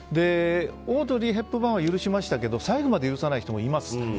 オードリー・ヘプバーンは許しましたけど最後まで許さない人もいます。